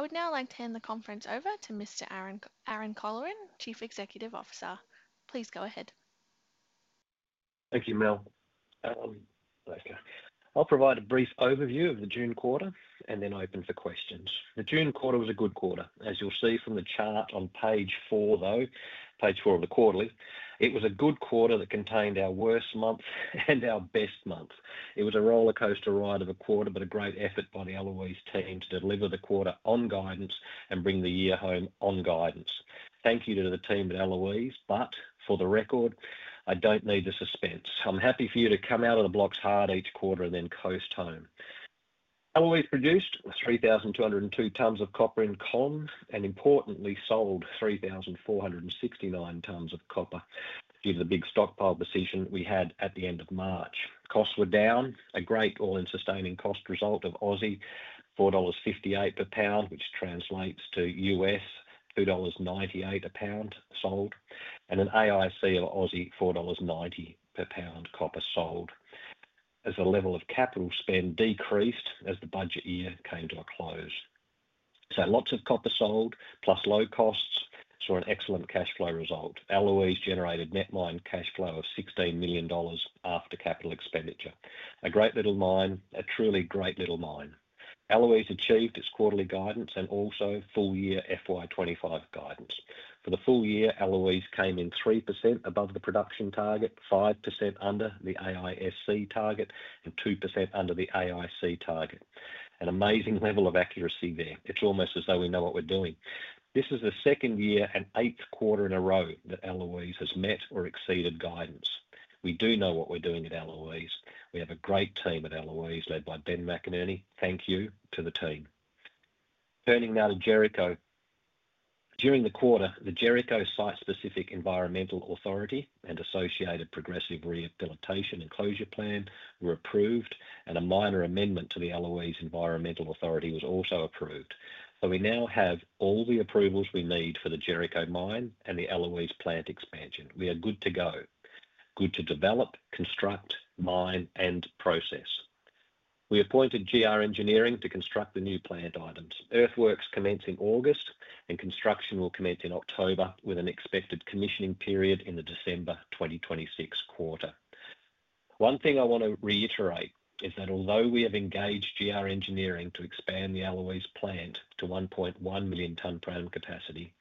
I would now like to hand the conference over to Mr. Aaron Colleran, Chief Executive Officer. Please go ahead. Thank you, Mel. I'll provide a brief overview of the June quarter and then open for questions. The June quarter was a good quarter, as you'll see from the chart on page four, though. Page four of the quarterly. It was a good quarter that contained our worst month and our best month. It was a rollercoaster ride of a quarter, but a great effort by the Eloise team to deliver the quarter on guidance and bring the year home on guidance. Thank you to the team at Eloise, but for the record, I don't need the suspense. I'm happy for you to come out of the blocks hard each quarter and then coast home. Eloise produced 3,202 tons of copper in comm and importantly sold 3,469 tons of copper due to the big stockpile decision we had at the end of March. Costs were down. A great all-in sustaining cost result of 4.58 Aussie dollars per pound, which translates to $2.98 a pound sold, and an AIC of 4.90 Aussie dollars per pound copper sold as the level of capital spend decreased as the budget year came to a close. Lots of copper sold plus low costs saw an excellent cash flow result. Eloise generated net mine cash flow of $16 million after capital expenditure. A great little mine, a truly great little mine. Eloise achieved its quarterly guidance and also full year FY 2025 guidance. For the full year, Eloise came in 3% above the production target, 5% under the AISC target, and 2% under the AIC target. An amazing level of accuracy there. It's almost as though we know what we're doing. This is the second year and eighth quarter in a row that Eloise has met or exceeded guidance. We do know what we're doing at Eloise. We have a great team at Eloise led by Ben McEnany. Thank you to the team. Turning now to Jericho. During the quarter, the Jericho site-specific Environmental Authority and associated progressive rehabilitation and closure plan were approved, and a minor amendment to the Eloise Environmental Authority was also approved. We now have all the approvals we need for the Jericho mine and the Eloise plant expansion. We are good to go. Good to develop, construct, mine, and process. We appointed GR Engineering to construct the new plant items. Earthworks commence in August, and construction will commence in October with an expected commissioning period in the December 2026 quarter. One thing I want to reiterate is that although we have engaged GR Engineering to expand the Eloise plant to 1.1 million tons per annum capacity,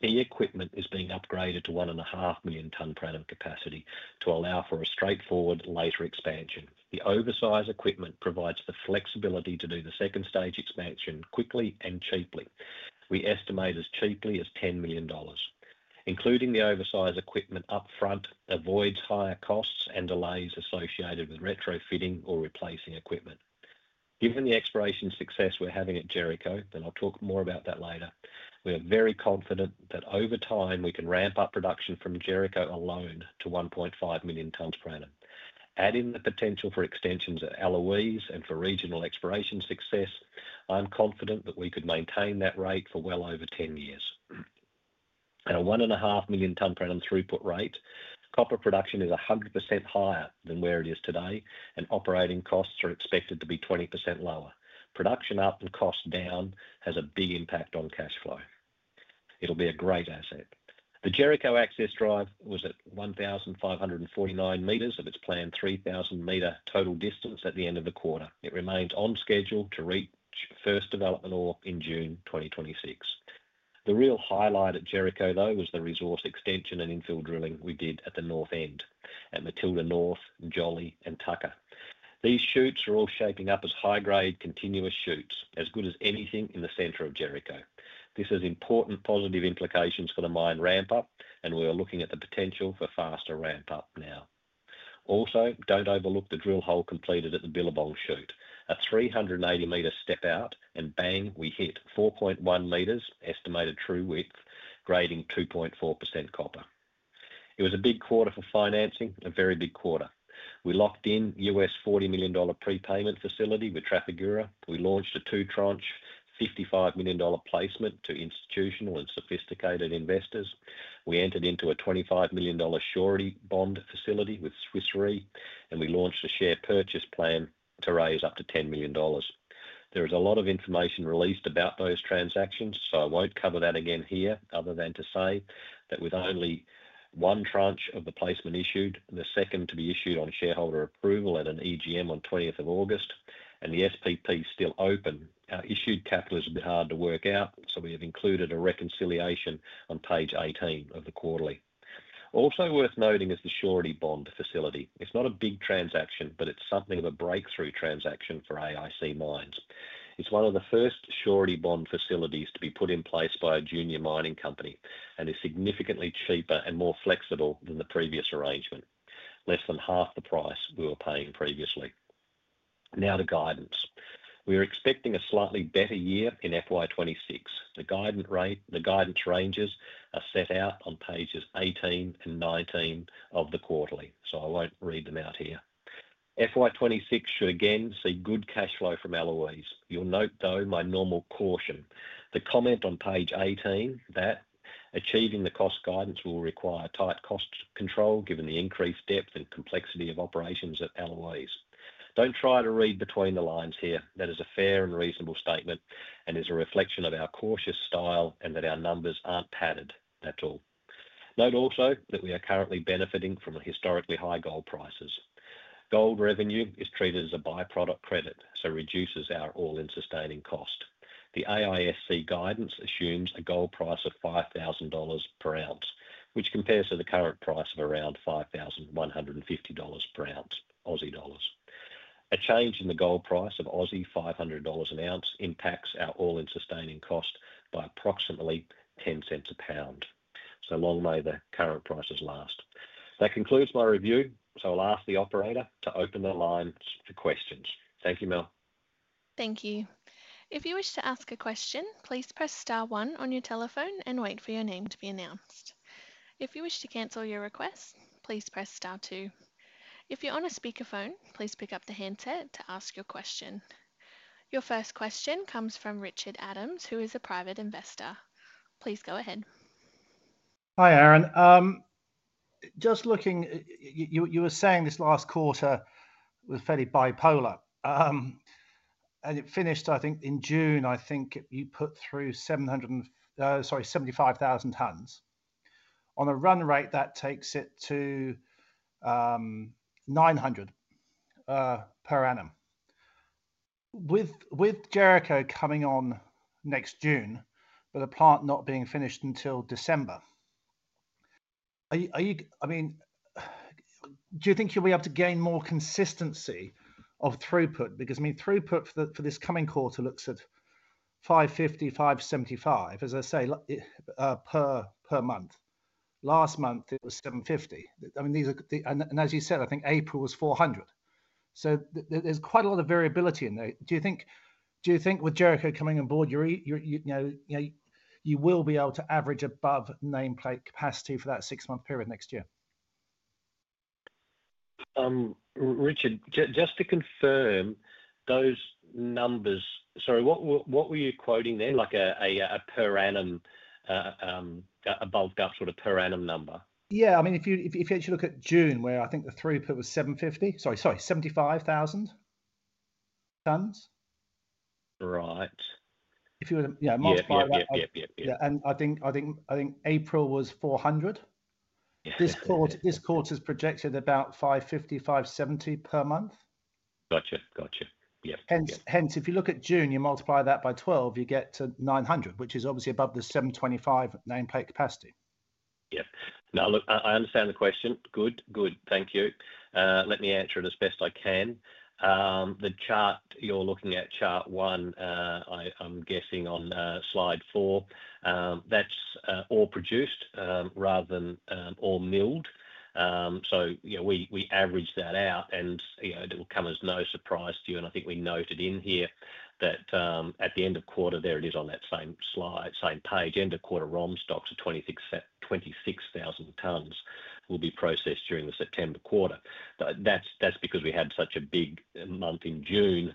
the equipment is being upgraded to 1.5 million tons per annum capacity to allow for a straightforward later expansion. The oversized equipment provides the flexibility to do the second stage expansion quickly and cheaply. We estimate as cheaply as $10 million. Including the oversized equipment upfront avoids higher costs and delays associated with retrofitting or replacing equipment. Given the exploration success we're having at Jericho, and I'll talk more about that later, we are very confident that over time we can ramp up production from Jericho alone to 1.5 million tons per annum. Add in the potential for extensions at Eloise and for regional exploration success, I'm confident that we could maintain that rate for well over 10 years. At a 1.5 million tons per annum throughput rate, copper production is 100% higher than where it is today, and operating costs are expected to be 20% lower. Production up and cost down has a big impact on cash flow. It'll be a great asset. The Jericho access drive was at 1,549 m of its planned 3,000 m total distance at the end of the quarter. It remains on schedule to reach first development in June 2026. The real highlight at Jericho, though, was the resource extension and infill drilling we did at the north end at Matilda North, Jolly, and Tucker. These chutes are all shaping up as high-grade continuous chutes, as good as anything in the center of Jericho. This has important positive implications for the mine ramp-up, and we are looking at the potential for faster ramp-up now. Also, don't overlook the drill hole completed at the Billabong chute. A 380 m step out and bang, we hit 4.1 m, estimated true width, grading 2.4% copper. It was a big quarter for financing, a very big quarter. We locked in a US $40 million prepayment facility with Trafigura. We launched a two-tranche $55 million placement to institutional and sophisticated investors. We entered into a $25 million surety bond facility with Swiss Re and we launched a share purchase plan to raise up to $10 million. There is a lot of information released about those transactions, so I won't cover that again here other than to say that with only one tranche of the placement issued, the second to be issued on shareholder approval at an EGM on 20th of August, and the share purchase plan still open, our issued capital is a bit hard to work out, so we have included a reconciliation on page 18 of the quarterly. Also worth noting is the surety bond facility. It's not a big transaction, but it's something of a breakthrough transaction for AIC Mines. It's one of the first surety bond facilities to be put in place by a junior mining company and is significantly cheaper and more flexible than the previous arrangement. Less than half the price we were paying previously. Now to guidance. We are expecting a slightly better year in FY 2026. The guidance ranges are set out on pages 18 and 19 of the quarterly, so I won't read them out here. FY 2026 should again see good cash flow from Eloise. You'll note, though, my normal caution. The comment on page 18 that achieving the cost guidance will require tight cost control given the increased depth and complexity of operations at Eloise. Don't try to read between the lines here. That is a fair and reasonable statement and is a reflection of our cautious style and that our numbers aren't padded. That's all. Note also that we are currently benefiting from historically high gold prices. Gold revenue is treated as a byproduct credit, so reduces our all-in sustaining cost. The AISC guidance assumes a gold price of $5,000 per ounce, which compares to the current price of around $5,150 per ounce, Aussie dollars. A change in the gold price of 500 Aussie dollars an ounce impacts our all-in sustaining cost by approximately $0.10 a pound. So long may the current prices last. That concludes my review, so I'll ask the operator to open the line to questions. Thank you, Mel. Thank you. If you wish to ask a question, please press star one on your telephone and wait for your name to be announced. If you wish to cancel your request, please press star two. If you're on a speakerphone, please pick up the handset to ask your question. Your first question comes from Richard Adams, who is a private investor. Please go ahead. Hi Aaron. Just looking, you were saying this last quarter was fairly bipolar. It finished, I think, in June, I think you put through 75,000 tons. On a run rate, that takes it to 900,000 per annum. With Jericho coming on next June, with a plant not being finished until December, do you think you'll be able to gain more consistency of throughput? Throughput for this coming quarter looks at 550,000, 575,000, as I say, per month. Last month it was 750,000. These are, and as you said, I think April was 400,000. There's quite a lot of variability in there. Do you think with Jericho coming on board, you will be able to average above nameplate capacity for that six-month period next year? Richard, just to confirm those numbers, sorry, what were you quoting then, like a per annum, a bulked-out sort of per annum number? Yeah, I mean, if you actually look at June, where I think the throughput was 75,000 tons. Right. If you were to multiply that, I think April was 400. This quarter's projected about 550, 570 per month. Gotcha, gotcha. Yeah. Hence, if you look at June, you multiply that by 12, you get to 900, which is obviously above the 725 nameplate capacity. Yeah. Now look, I understand the question. Good, good. Thank you. Let me answer it as best I can. The chart you're looking at, chart one, I'm guessing on slide four, that's all produced rather than all milled. We averaged that out and you know it will come as no surprise to you. I think we noted in here that at the end of quarter, there it is on that same slide, same page, end of quarter ROM stocks of 26,000 tons will be processed during the September quarter. That's because we had such a big month in June.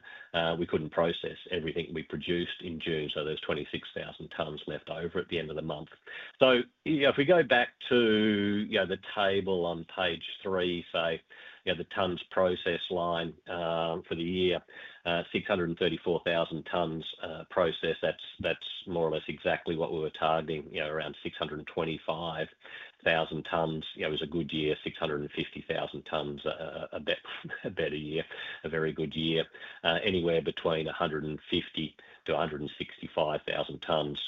We couldn't process everything we produced in June. There's 26,000 tons left over at the end of the month. If we go back to the table on page three, say, the tons processed line for the year, 634,000 tons processed. That's more or less exactly what we were targeting, around 625,000 tons. It was a good year, 650,000 tons, a better year, a very good year. Anywhere between 150,000 to 165,000 tons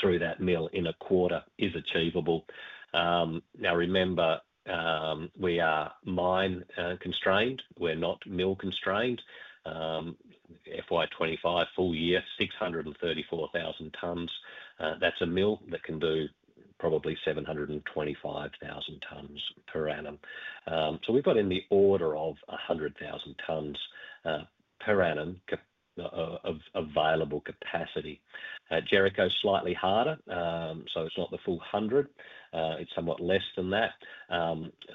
through that mill in a quarter is achievable. Now remember, we are mine constrained. We're not mill constrained. FY 2025 full year, 634,000 tons. That's a mill that can do probably 725,000 tons per annum. We've got in the order of 100,000 tons per annum of available capacity. Jericho is slightly harder, so it's not the full 100,000. It's somewhat less than that.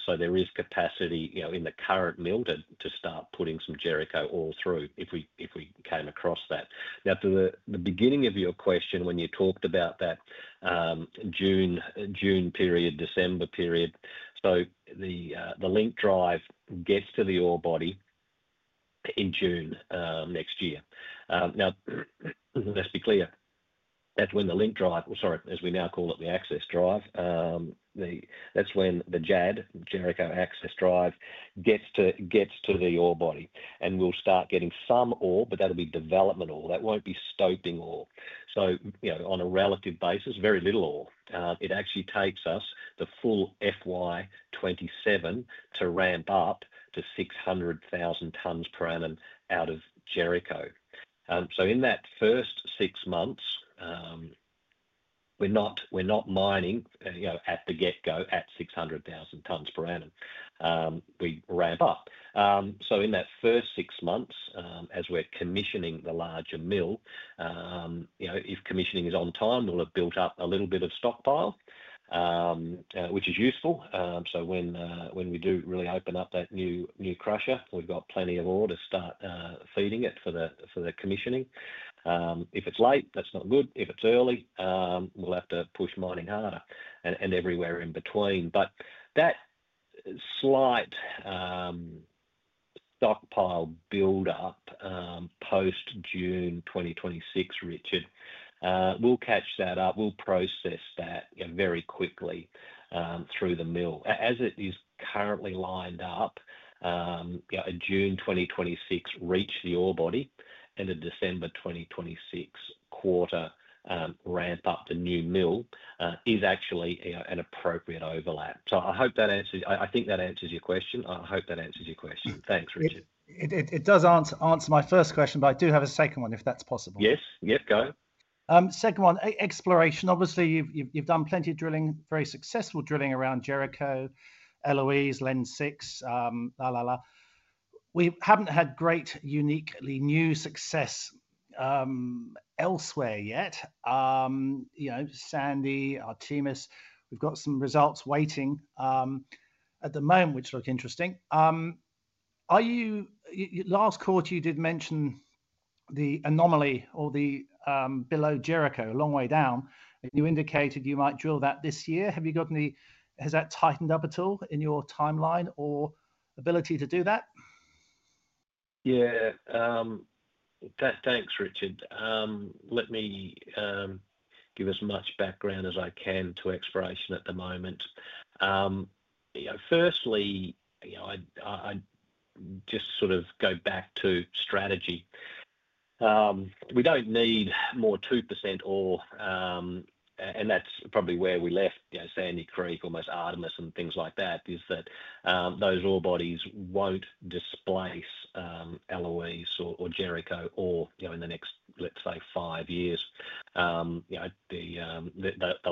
There is capacity in the current mill to start putting some Jericho ore through if we came across that. Now to the beginning of your question when you talked about that June period, December period. The access drive gets to the orebody in June next year. Now let's be clear. That's when the access drive, or as we now call it the JAD, Jericho Access Drive, gets to the orebody and will start getting some ore, but that'll be development ore. That won't be stoping ore. On a relative basis, very little ore. It actually takes us the full FY 2027 to ramp up to 600,000 tons per annum out of Jericho. In that first six months, we're not mining at the get-go at 600,000 tons per annum. We ramp up. In that first six months, as we're commissioning the larger mill, if commissioning is on time, we'll have built up a little bit of stockpile, which is useful. When we do really open up that new crusher, we've got plenty of ore to start feeding it for the commissioning. If it's late, that's not good. If it's early, we'll have to push mining harder and everywhere in between. That slight stockpile build up post-June 2026, Richard, we'll catch that up. We'll process that very quickly through the mill. As it is currently lined up, a June 2026 reach the orebody and a December 2026 quarter ramp up the new mill is actually an appropriate overlap. I hope that answers your question. Thanks, Richard. It does answer my first question, but I do have a second one if that's possible. Yep, go ahead. Second one, exploration. Obviously, you've done plenty of drilling, very successful drilling around Jericho, Eloise, Lens 6, la la la. We haven't had great, uniquely new success elsewhere yet. You know, Sandy, Artemis, we've got some results waiting at the moment, which look interesting. Last quarter, you did mention the anomaly or the below Jericho, a long way down. You indicated you might drill that this year. Have you got any, has that tightened up at all in your timeline or ability to do that? Yeah, thanks, Richard. Let me give as much background as I can to exploration at the moment. Firstly, I just sort of go back to strategy. We don't need more 2% ore, and that's probably where we left, you know, Sandy Creek, almost Artemis and things like that, is that those orebodies won't displace Eloise or Jericho in the next, let's say, five years. They'll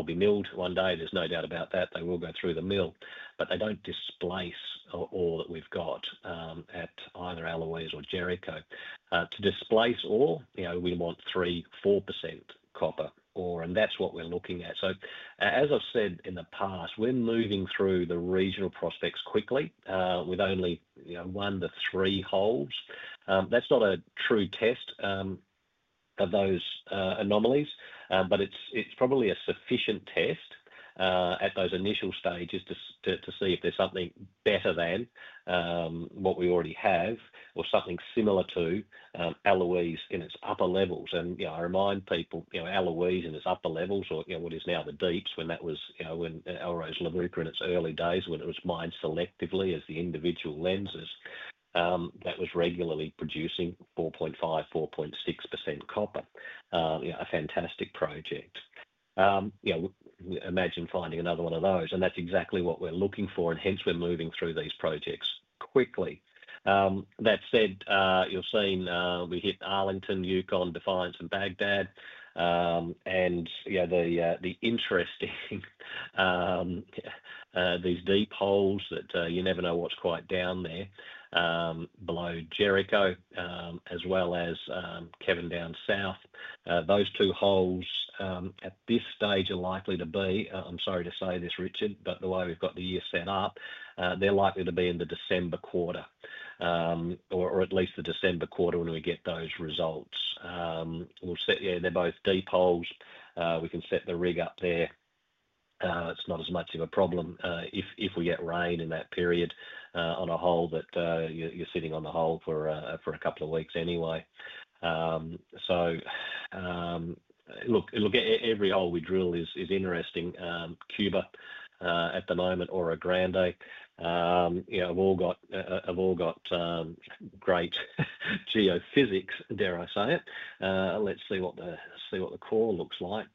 be milled one day. There's no doubt about that. They will go through the mill, but they don't displace all that we've got at either Eloise or Jericho. To displace all, we want 3%-4% copper ore, and that's what we're looking at. As I've said in the past, we're moving through the regional prospects quickly with only one to three holes. That's not a true test of those anomalies, but it's probably a sufficient test at those initial stages to see if there's something better than what we already have or something similar to Eloise in its upper levels. I remind people, Eloise in its upper levels, or what is now the deeps, when that was, you know, when Eloise Liverpool in its early days when it was mined selectively as the individual lenses, that was regularly producing 4.5%, 4.6% copper. A fantastic project. We imagine finding another one of those, and that's exactly what we're looking for, and hence we're moving through these projects quickly. That said, you've seen we hit Arlington, Yukon, Defiance, and Baghdad, and the interesting, these deep holes that you never know what's quite down there below Jericho, as well as Kevin down south. Those two holes at this stage are likely to be, I'm sorry to say this, Richard, but the way we've got the year set up, they're likely to be in the December quarter, or at least the December quarter when we get those results. They're both deep holes. We can set the rig up there. It's not as much of a problem if we get rain in that period on a hole that you're sitting on the hole for a couple of weeks anyway. Every hole we drill is interesting. Cuba at the moment or a Grande have all got great geophysics, dare I say it. Let's see what the core looks like.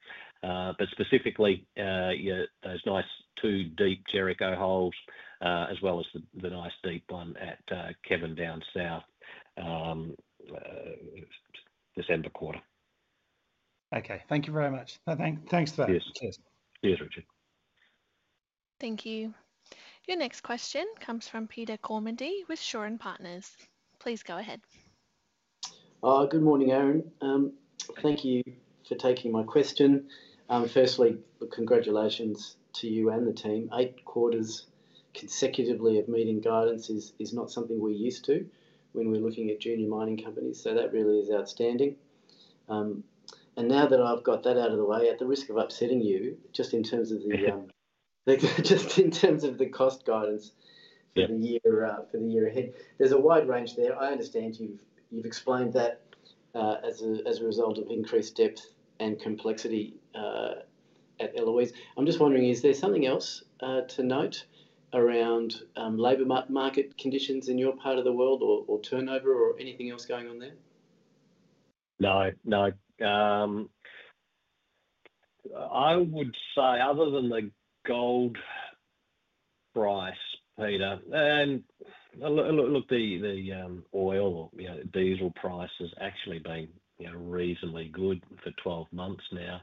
Specifically, those nice two deep Jericho holes, as well as the nice deep one at Kevin down south, December quarter. Okay, thank you very much. Thanks for that. Yes, yes, Richard. Thank you. Your next question comes from Peter Kormendy with Shaw and Partners. Please go ahead. Good morning, Aaron. Thank you for taking my question. Firstly, congratulations to you and the team. Eight quarters consecutively of meeting guidance is not something we're used to when we're looking at junior mining companies, that really is outstanding. Now that I've got that out of the way, at the risk of upsetting you, just in terms of the cost guidance, if you have a year out for the year ahead, there's a wide range there. I understand you've explained that as a result of increased depth and complexity at Eloise. I'm just wondering, is there something else to note around labor market conditions in your part of the world or turnover or anything else going on there? No, no. I would say other than the gold price, Peter, and look, the oil or diesel price has actually been reasonably good for 12 months now.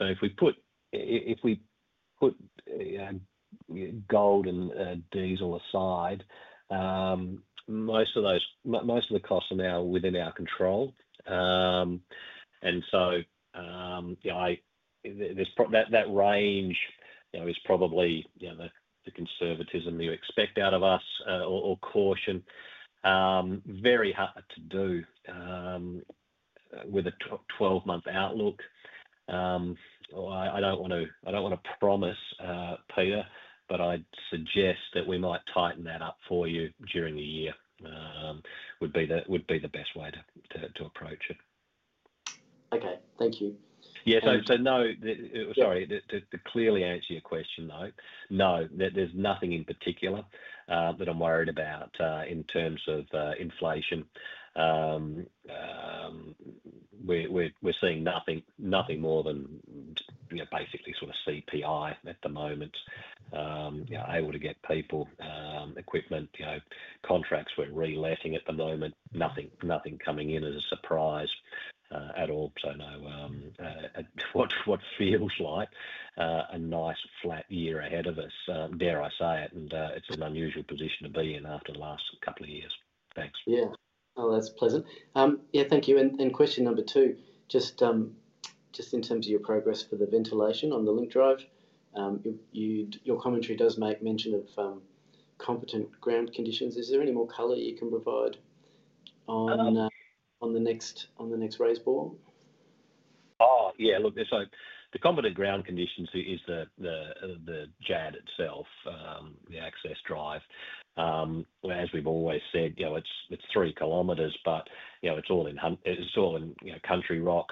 If we put gold and diesel aside, most of the costs are now within our control. That range is probably the conservatism you expect out of us or caution. It is very hard to do with a 12-month outlook. I don't want to promise, Peter, but I'd suggest that we might tighten that up for you during the year. Would be the best way to approach it. Okay, thank you. No, to clearly answer your question though, no, there's nothing in particular that I'm worried about in terms of inflation. We're seeing nothing more than basically sort of CPI at the moment. Able to get people, equipment, contracts we're re-letting at the moment. Nothing coming in as a surprise at all. What feels like a nice flat year ahead of us, dare I say it, and it's an unusual position to be in after the last couple of years. Yeah, that's pleasant. Thank you. Question number two, just in terms of your progress for the ventilation on the link drive, your commentary does make mention of competent ground conditions. Is there any more color you can provide on the next raised ball? Oh, yeah, look, so the competent ground conditions is the JAD itself, the access drive. As we've always said, you know, it's 3 km, but you know, it's all in country rock.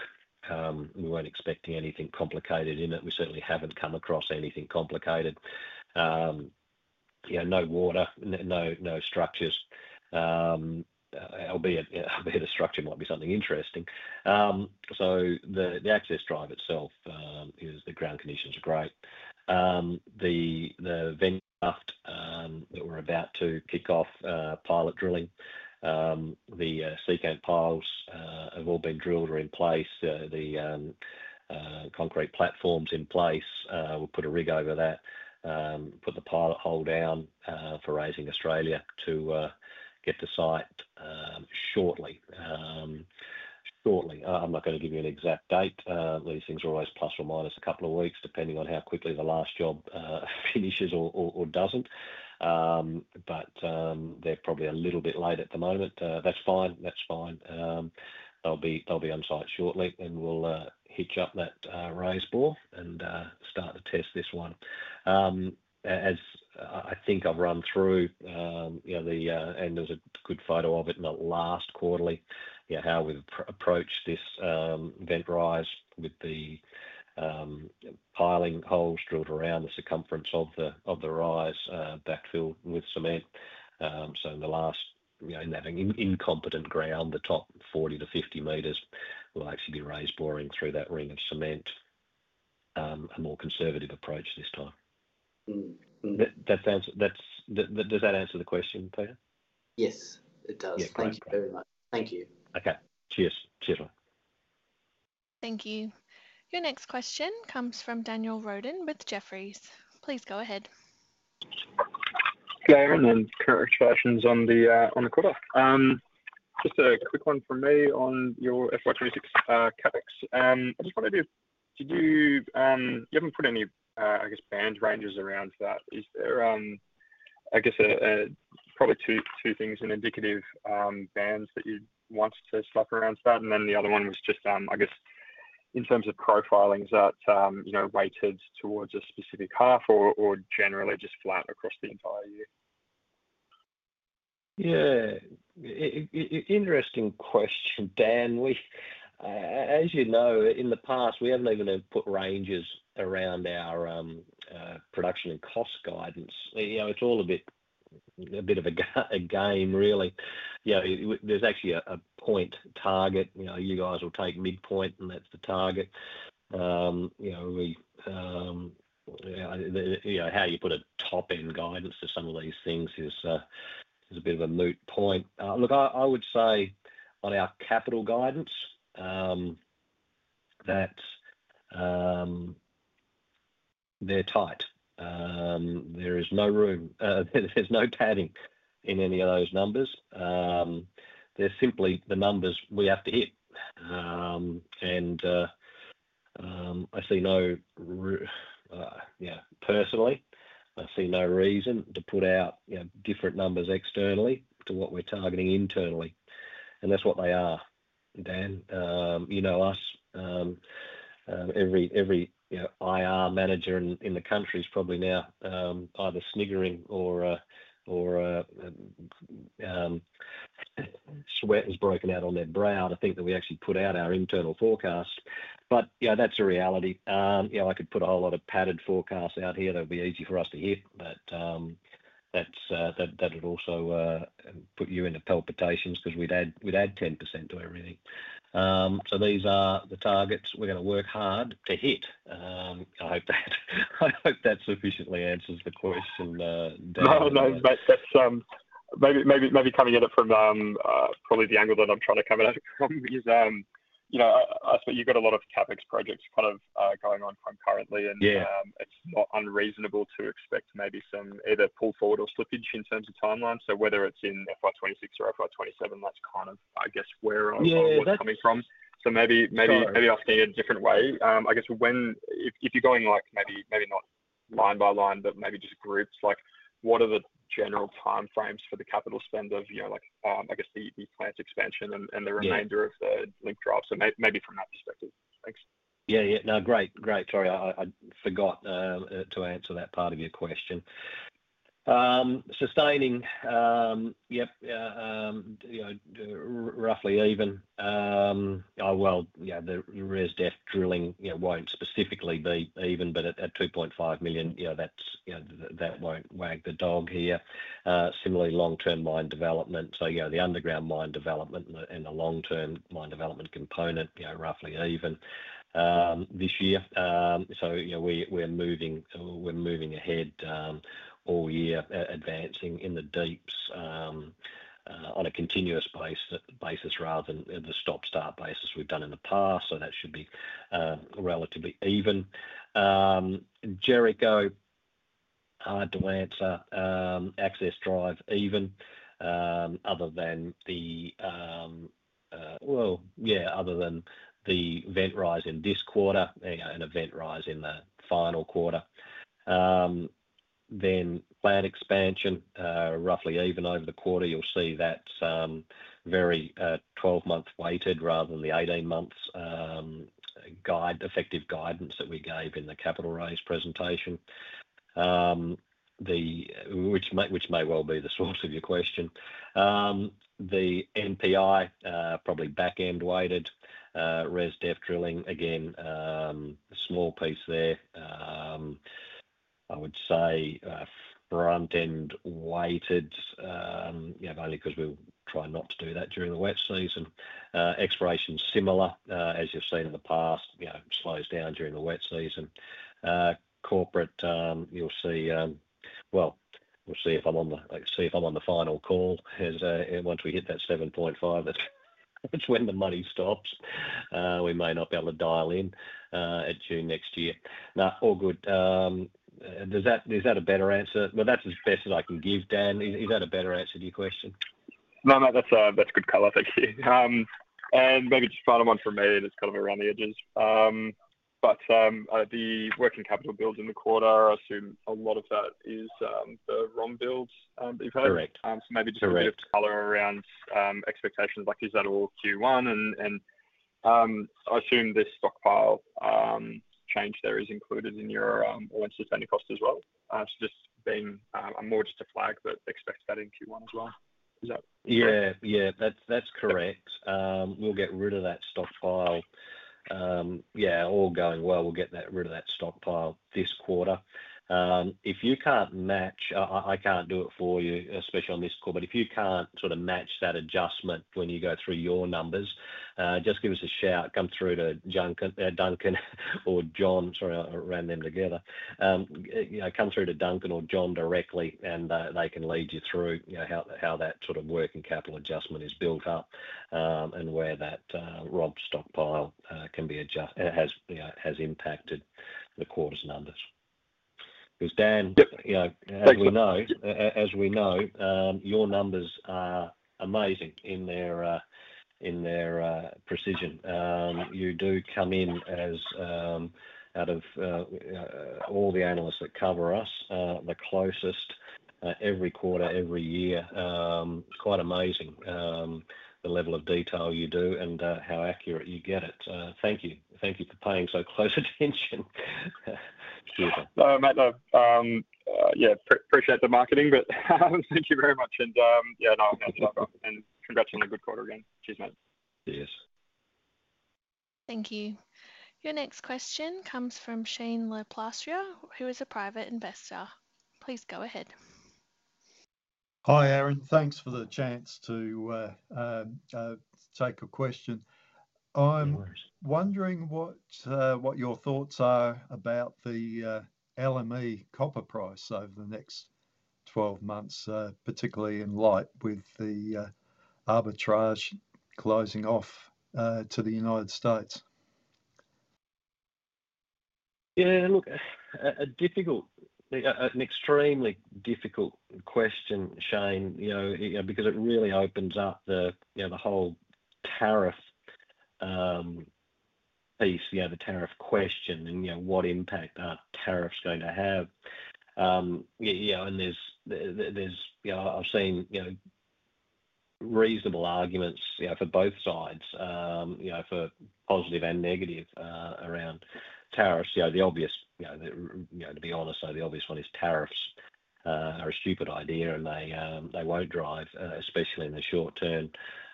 We weren't expecting anything complicated in it. We certainly haven't come across anything complicated. You know, no water, no structures. Albeit a structure might be something interesting. So the access drive itself, the ground conditions are great. The vent draft that we're about to kick off pilot drilling, the secant piles have all been drilled or in place. The concrete platform's in place. We'll put a rig over that, put the pilot hole down for Raising Australia to get the site shortly. I'm not going to give you an exact date. These things are always plus or minus a couple of weeks, depending on how quickly the last job finishes or doesn't. They're probably a little bit late at the moment. That's fine. They'll be on site shortly and we'll hitch up that raised ball and start to test this one. As I think I've run through, you know, and there's a good photo of it in the last quarterly, you know, how we've approached this vent rise with the piling holes drilled around the circumference of the rise backfilled with cement. In that incompetent ground, the top 40 to 50 m will actually be raised boring through that ring of cement. A more conservative approach this time. Does that answer the question, Peter? Yes, it does. Thank you very much. Thank you. Okay, cheers. Cheers. Thank you. Your next question comes from Daniel Roden with Jefferies. Please go ahead. Aaron, and Karen Siphons on the cutoff. Just a quick one from me on your FY 2026 CapEx. I just wanted to, you haven't put any, I guess, band ranges around that. Is there, I guess, probably two things in indicative bands that you'd want to slap around that? The other one was just, I guess, in terms of profilings that, you know, weighted towards a specific half or generally just flat across the entire year? Yeah, interesting question, Dan. As you know, in the past, we haven't even put ranges around our production and cost guidance. It's all a bit of a game, really. There's actually a point target. You guys will take midpoint and that's the target. How you put a top-end guidance to some of these things is a bit of a moot point. I would say on our capital guidance that they're tight. There is no room, there's no padding in any of those numbers. They're simply the numbers we have to hit. I see no, yeah, personally, I see no reason to put out different numbers externally to what we're targeting internally. That's what they are, Dan. You know us. Every IR manager in the country is probably now either sniggering or sweat has broken out on their brow. I think that we actually put out our internal forecasts. That's a reality. I could put a whole lot of padded forecasts out here that would be easy for us to hit, but that would also put you into palpitations because we'd add 10% to everything. These are the targets we're going to work hard to hit. I hope that sufficiently answers the question, Dan. That's maybe coming at it from probably the angle that I'm trying to come at it from. I suppose you've got a lot of CapEx projects kind of going on concurrently, and it's not unreasonable to expect maybe some either pull forward or slippage in terms of timeline. Whether it's in FY 2026 or FY 2027, that's kind of, I guess, where I'm coming from. Maybe asking in a different way, I guess, if you're going like maybe not line by line, but maybe just groups, what are the general timeframes for the capital spend of, you know, like I guess the plant expansion and the remainder of the link drive? Maybe from that perspective. Thanks. Yeah, no, great, great. Sorry, I forgot to answer that part of your question. Sustaining, yep, you know, roughly even. The raised depth drilling won't specifically be even, but at $2.5 million, that won't wag the dog here. Similarly, long-term mine development. The underground mine development and the long-term mine development component, you know, roughly even this year. We're moving ahead all year, advancing in the deeps on a continuous basis rather than the stop-start basis we've done in the past. That should be relatively even. Jericho, hard to answer. Access drive, even, other than the, other than the vent rise in this quarter and a vent rise in the final quarter. Plant expansion, roughly even over the quarter, you'll see that's very 12-month weighted rather than the 18-months effective guidance that we gave in the capital raise presentation, which may well be the source of your question. The NPI, probably back-end weighted, raised depth drilling, again, a small piece there. I would say front-end weighted, only because we'll try not to do that during the wet season. Exploration is similar, as you've seen in the past, slows down during the wet season. Corporate, you'll see, we'll see if I'm on the, see if I'm on the final call. Once we hit that $7.5 million, that's when the money stops. We may not be able to dial in at June next year. All good. Is that a better answer? That's as best as I can give, Dan. Is that a better answer to your question? No, that's a good color, thank you. Maybe just final one from me, and it's kind of around the edges. The working capital build in the quarter, I assume a lot of that is the ROM builds that you've had. Correct. Maybe just a bit of color around expectations, like is that all Q1? I assume this stockpile change there is included in your all-in sustaining costs as well. I'm more just a flag, but expect that in Q1 as well. Is that? Yeah, that's correct. We'll get rid of that stockpile. All going well, we'll get rid of that stockpile this quarter. If you can't match, I can't do it for you, especially on this quarter, but if you can't sort of match that adjustment when you go through your numbers, just give us a shout. Come through to Duncan or John directly, and they can lead you through how that sort of working capital adjustment is built up and where that ROM stockpile can be adjusted and has impacted the quarter's numbers. Because Dan, as we know, your numbers are amazing in their precision. You do come in as, out of all the analysts that cover us, the closest every quarter, every year. Quite amazing, the level of detail you do and how accurate you get it. Thank you. Thank you for paying so close attention. No matter. Appreciate the marketing, but thank you very much. I'll have to stop off and congratulate a good quarter again. Cheers, mate. Thank you. Your next question comes from Shane Laplastria, who is a private investor. Please go ahead. Hi Aaron, thanks for the chance to take a question. I'm wondering what your thoughts are about the LME copper price over the next 12 months, particularly in light with the arbitrage closing off to the United States. Yeah, look, an extremely difficult question, Shane, because it really opens up the whole tariff piece, the tariff question and what impact that tariff's going to have. I've seen reasonable arguments for both sides, for positive and negative around tariffs. The obvious, to be honest, the obvious one is tariffs are a stupid idea and they won't drive, especially in the short term,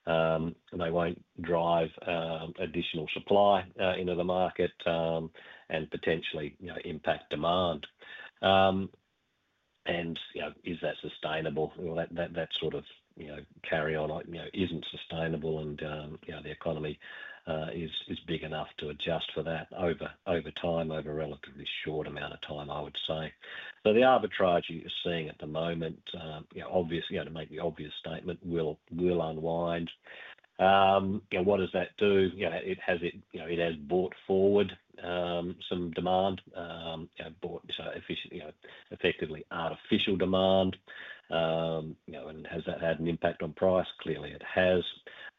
they won't drive additional supply into the market and potentially impact demand. Is that sustainable? That sort of carry-on isn't sustainable and the economy is big enough to adjust for that over time, over a relatively short amount of time, I would say. The arbitrage you're seeing at the moment, to make the obvious statement, will unwind. What does that do? It has brought forward some demand, bought effectively artificial demand. Has that had an impact on price? Clearly, it has.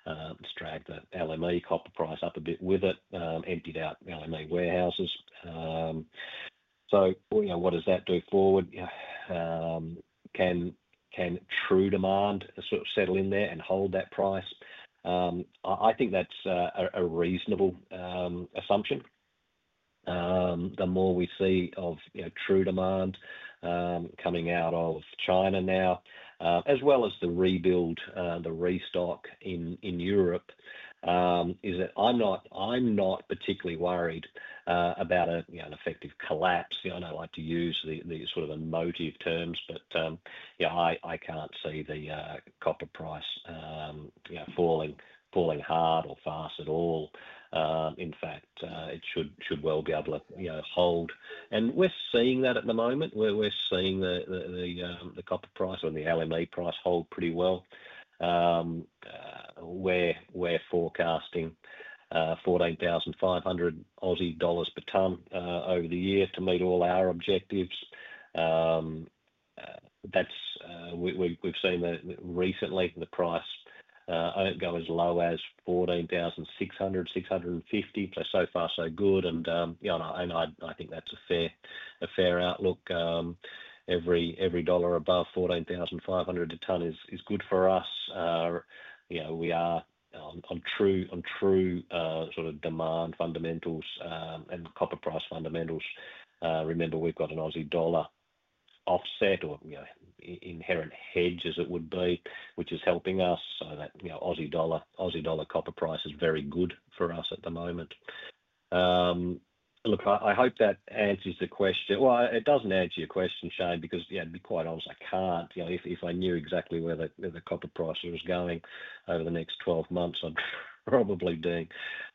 It's dragged the LME copper price up a bit with it, emptied out LME warehouses. What does that do forward? Can true demand settle in there and hold that price? I think that's a reasonable assumption. The more we see of true demand coming out of China now, as well as the rebuild, the restock in Europe, I'm not particularly worried about an effective collapse. I don't like to use the sort of emotive terms, but I can't see the copper price falling hard or fast at all. In fact, it should well be able to hold. We're seeing that at the moment. We're seeing the copper price and the LME price hold pretty well. We're forecasting $14,500 Australian dollars per ton over the year to meet all our objectives. We've seen that recently. The price won't go as low as $14,600, $650. So far, so good. I think that's a fair outlook. Every dollar above $14,500 a ton is good for us. We are on true demand fundamentals and copper price fundamentals. Remember, we've got an Australian dollar offset or inherent hedge, as it would be, which is helping us. That Australian dollar copper price is very good for us at the moment. I hope that answers the question. It doesn't answer your question, Shane, because, yeah, to be quite honest, I can't. You know, if I knew exactly where the copper price was going over the next 12 months, I'd probably do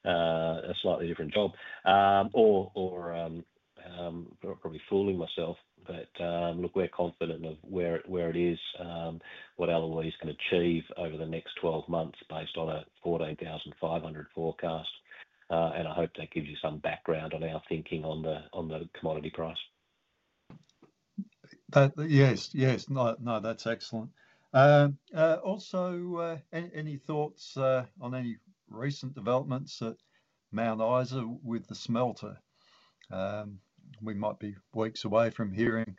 a slightly different job. Or I'm probably fooling myself, but look, we're confident of where it is, what Eloise can achieve over the next 12 months based on a $14,500 forecast. I hope that gives you some background on our thinking on the commodity price. Yes, that's excellent. Also, any thoughts on any recent developments at Mount Isa with the smelter? We might be weeks away from hearing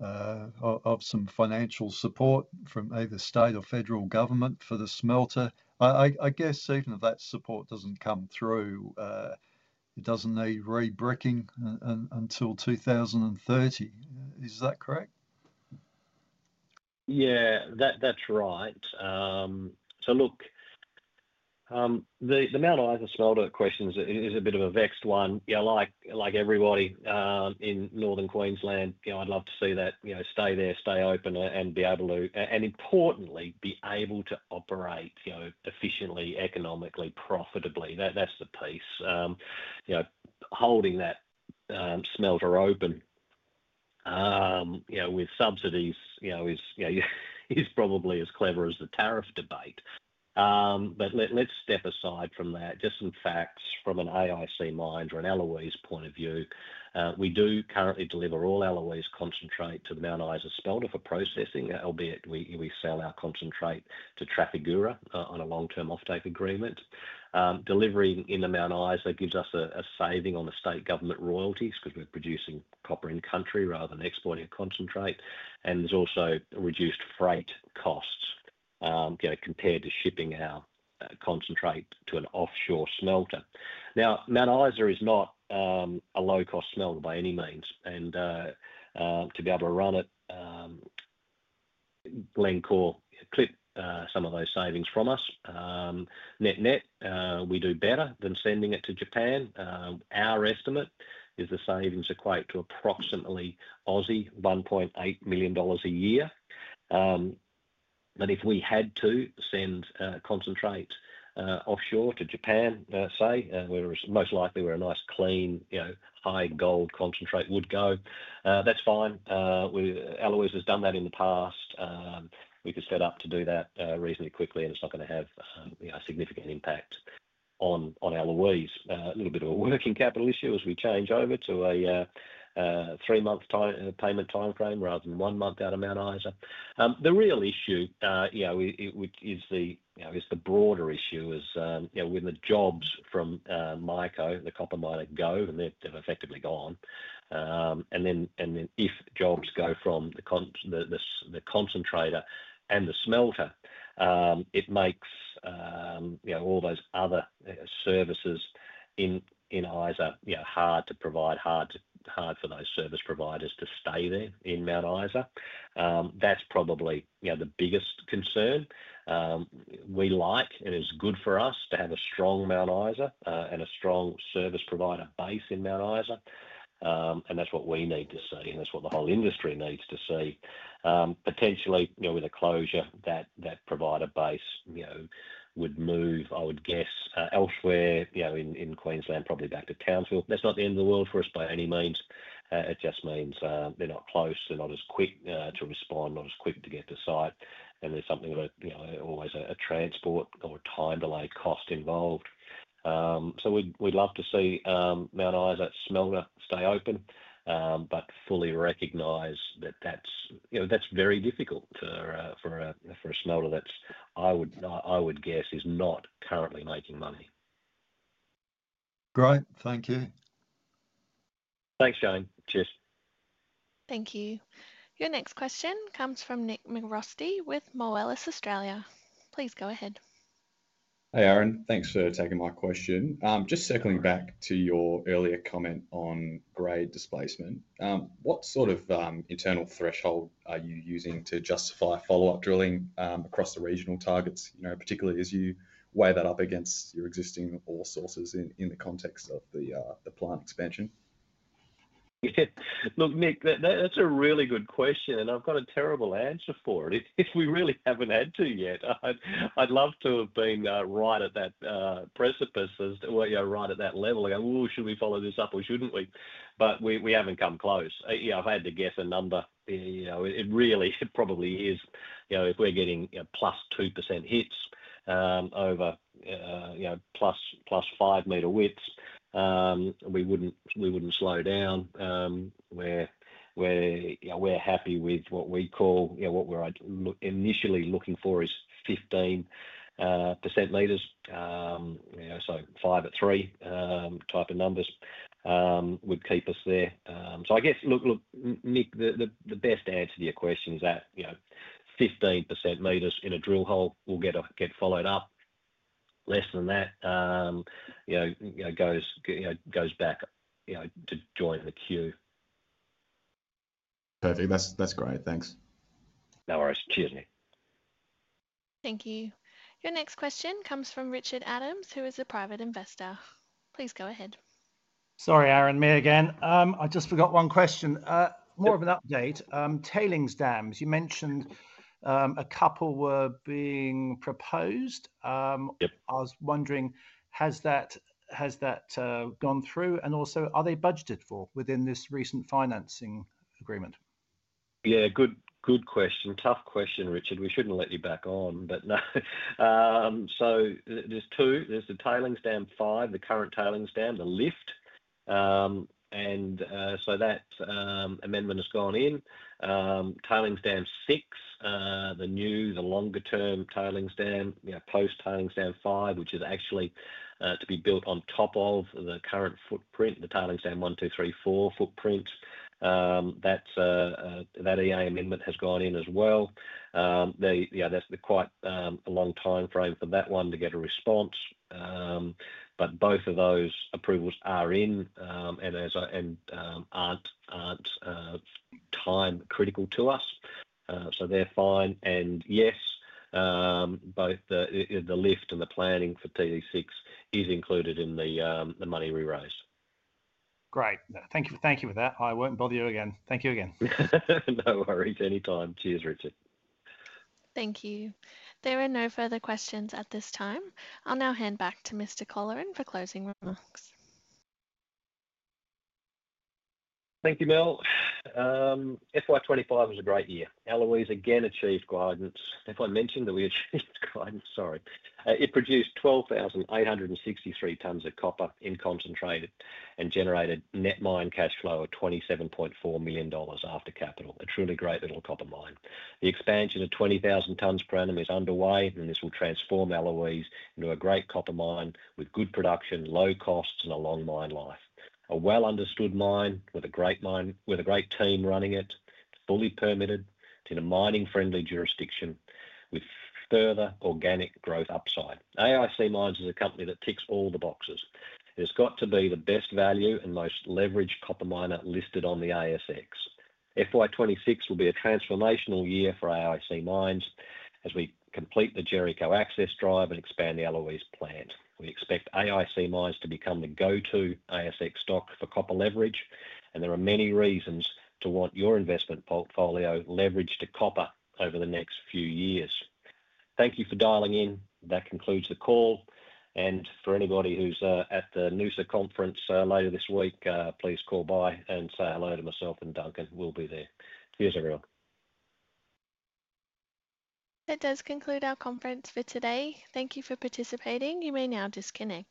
of some financial support from either state or federal government for the smelter. I guess even if that support doesn't come through, it doesn't need re-bricking until 2030. Is that correct? Yeah, that's right. The Mount Isa smelter question is a bit of a vexed one. Like everybody in northern Queensland, I'd love to see that stay there, stay open, and importantly, be able to operate efficiently, economically, profitably. That's the piece. Holding that smelter open with subsidies is probably as clever as the tariff debate. Let's step aside from that. Just some facts from an AIC Mines or an Eloise point of view. We do currently deliver all Eloise concentrate to Mount Isa smelter for processing, albeit we sell our concentrate to Trafigura on a long-term offtake agreement. Delivering into Mount Isa gives us a saving on the state government royalties because we're producing copper in country rather than exporting a concentrate. There's also reduced freight costs compared to shipping our concentrate to an offshore smelter. Mount Isa is not a low-cost smelter by any means. To be able to run it, Glencore clipped some of those savings from us. Net-net, we do better than sending it to Japan. Our estimate is the savings equate to approximately $1.8 million a year. If we had to send concentrate offshore to Japan, say, where most likely a nice clean, high gold concentrate would go, that's fine. Eloise has done that in the past. We could set up to do that reasonably quickly and it's not going to have a significant impact on Eloise. A little bit of a working capital issue as we change over to a three-month payment timeframe rather than one month out of Mount Isa. The real issue, which is the broader issue, is when the jobs from Maiko, the copper miner, go and they're effectively gone. If jobs go from the concentrator and the smelter, it makes all those other services in Isa hard to provide, hard for those service providers to stay there in Mount Isa. That's probably the biggest concern. It is good for us to have a strong Mount Isa and a strong service provider base in Mount Isa. That's what we need to see. That's what the whole industry needs to see. Potentially, with a closure, that provider base would move, I would guess, elsewhere in Queensland, probably back to Townsville. That's not the end of the world for us by any means. It just means they're not close, they're not as quick to respond, not as quick to get to site. There's always a transport or time delay cost involved. We'd love to see Mount Isa smelter stay open, but fully recognize that that's very difficult for a smelter that, I would guess, is not currently making money. Great, thank you. Thanks, Shane. Cheers. Thank you. Your next question comes from Nick McRusty with Moelis Australia. Please go ahead. Hey Aaron, thanks for taking my question. Just circling back to your earlier comment on grade displacement, what sort of internal threshold are you using to justify follow-up drilling across the regional targets, particularly as you weigh that up against your existing ore sources in the context of the plant expansion? You said, look, Nick, that's a really good question and I've got a terrible answer for it. We really haven't had to yet. I'd love to have been right at that precipice, right at that level going, oh, should we follow this up or shouldn't we? We haven't come close. If I had to guess a number, it really probably is, if we're getting plus 2% hits over plus five meter width, we wouldn't slow down. We're happy with what we call, what we're initially looking for is 15% m. Five to three type of numbers would keep us there. I guess, Nick, the best answer to your question is that 15% m in a drill hole will get followed up. Less than that goes back to join the queue. Perfect. That's great. Thanks. No worries. Cheers, Nick. Thank you. Your next question comes from Richard Adams, who is a private investor. Please go ahead. Sorry, Aaron, me again. I just forgot one question. More of an update. Tailings dams, you mentioned a couple were being proposed. I was wondering, has that gone through, and also are they budgeted for within this recent financing agreement? Yeah, good question. Tough question, Richard. We shouldn't let you back on, but no. There's two. There's the Tailings Dam 5, the current tailings dam, the lift, and that amendment has gone in. Tailings Dam 6, the new, the longer-term tailings dam, post-Tailings Dam 5, which is actually to be built on top of the current footprint, the Tailings Dam 1, 2, 3, 4 footprint. That EA amendment has gone in as well. That's quite a long timeframe for that one to get a response. Both of those approvals are in and aren't time critical to us. They're fine. Yes, both the lift and the planning for TD6 is included in the money we raised. Great. Thank you for that. I won't bother you again. Thank you again. No worries. Anytime. Cheers, Richard. Thank you. There are no further questions at this time. I'll now hand back to Mr. Colleran for closing remarks. Thank you, Mel. FY 2025 was a great year. Eloise again achieved guidance. Have I mentioned that we achieved guidance? Sorry. It produced 12,863 tons of copper in concentrate and generated net mine cash flow of $27.4 million after capital. A truly great little copper mine. The expansion to 20,000 tons per annum is underway and this will transform Eloise into a great copper mine with good production, low costs, and a long mine life. A well-understood mine with a great team running it, fully permitted in a mining-friendly jurisdiction with further organic growth upside. AIC Mines is a company that ticks all the boxes. It has got to be the best value and most leveraged copper miner listed on the ASX. FY 2026 will be a transformational year for AIC Mines as we complete the Jericho access drive and expand the Eloise plant. We expect AIC Mines to become the go-to ASX stock for copper leverage and there are many reasons to want your investment portfolio leveraged to copper over the next few years. Thank you for dialing in. That concludes the call. For anybody who's at the Noosa conference later this week, please call by and say hello to myself and Duncan. We'll be there. Cheers, everyone. That does conclude our conference for today. Thank you for participating. You may now disconnect.